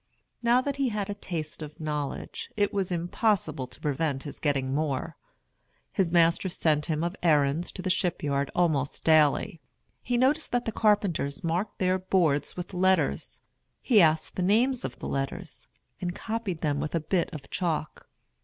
Now that he had a taste of knowledge, it was impossible to prevent his getting more. His master sent him of errands to the shipyard almost daily. He noticed that the carpenters marked their boards with letters. He asked the name of the letters, and copied them with a bit of chalk.